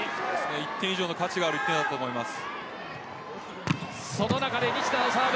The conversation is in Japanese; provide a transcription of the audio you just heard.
１点以上の価値がある１点だったと思います。